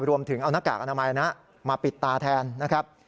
รวมถึงเอาหน้ากากอนามัยมาปิดตาแทนนะครับ